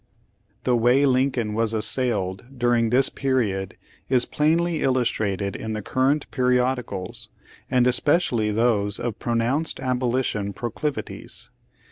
The way Lincoln was assailed during this period is plainly illustrated in the current periodicals, and especially those of pronounced abolition pro clivities.